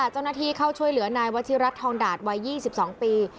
เจ้าหน้าที่เข้าช่วยเหลือนายวัชิรัตนทองดาตวัย๒๒ปี